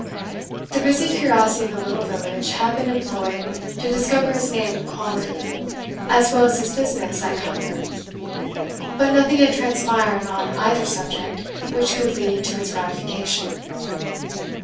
The busy curiosity of the little village had been employed to discover his name and quality, as well as his business at Cumnor; but nothing had transpired on either subject which could lead to its gratification.